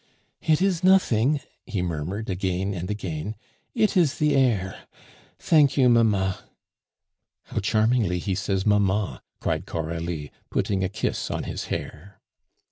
"It is nothing," he murmured again and again. "It is the air. Thank you, mamma." "How charmingly he says 'mamma,'" cried Coralie, putting a kiss on his hair.